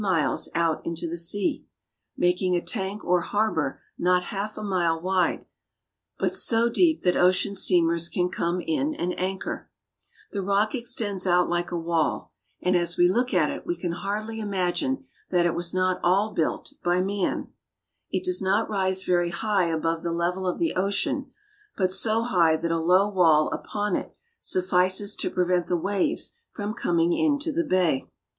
miles out into the sea, making a tank or harbor not half a mile wide, but so deep that ocean steamers can come in and anchor. The rock extends out like a wall, and as we look at it we can hardly imagine that it was not all built The rock extends out like a wall. by man. It does not rise very high above the level of the ocean, but so high that a low wall upon it suffices to prevent the waves from coming into the bay.